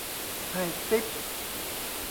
ให้ติ๊ป